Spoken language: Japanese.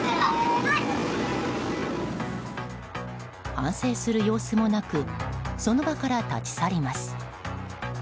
反省する様子もなくその場から立ち去ります。